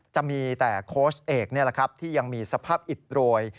จะมีแต่โค้ชเอกนี่แหละครับที่ยังมีสภาพอิดโรย